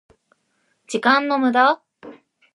時間の無駄？